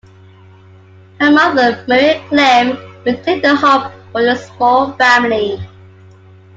Her mother, Maria Clemm, maintained the home for the small family.